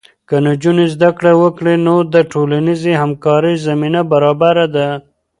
که نجونې زده کړه وکړي، نو د ټولنیزې همکارۍ زمینه برابره ده.